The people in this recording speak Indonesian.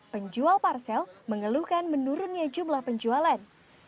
penjual parsel mengeluhkan menurunnya jumlah penjualan